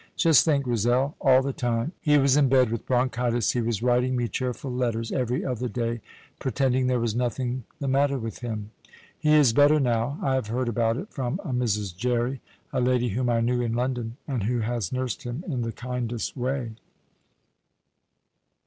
"Just think, Grizel; all the time he was in bed with bronchitis he was writing me cheerful letters every other day pretending there was nothing the matter with him. He is better now. I have heard about it from a Mrs. Jerry, a lady whom I knew in London, and who has nursed him in the kindest way."